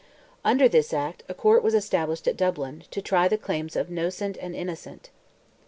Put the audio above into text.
Under this act, a court was established at Dublin, to try the claims of "nocent" and "innocent."